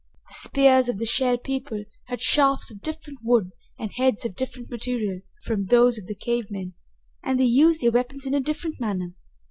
The spears of the Shell People had shafts of different wood and heads of different material from those of the cave men, and they used their weapons in a different manner.